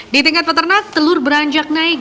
di tingkat peternak telur beranjak naik